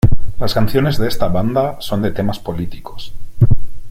Las canciones de esta banda son de temas políticos.